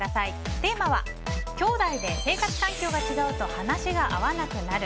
テーマはきょうだいで生活環境が違うと話が合わなくなる。